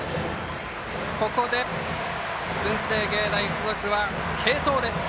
ここで文星芸大付属は継投です。